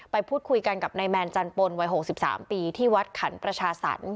พูดคุยกันกับนายแมนจันปนวัย๖๓ปีที่วัดขันประชาสรรค